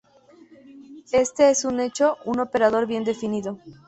Este es de hecho un operador bien definido.